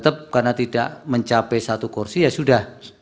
tetap karena tidak mencapai satu kursi ya sudah